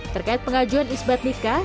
terkait pengajuan isbat nikah